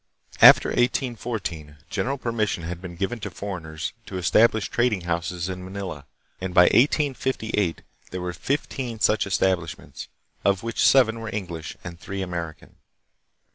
After 1814 general permission had been given to for eigners to establish trading houses in Manila, and by 1858 there were fifteen such establishments, of which seven were English and three American.